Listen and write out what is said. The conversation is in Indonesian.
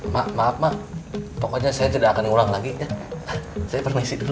mak maaf mak pokoknya saya tidak akan ulang lagi ya saya permainsi dulu